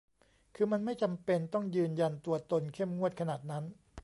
คือมันไม่จำเป็นต้องยืนยันตัวตนเข้มงวดขนาดนั้น